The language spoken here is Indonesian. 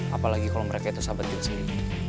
apalagi kalau mereka itu sahabat diri sendiri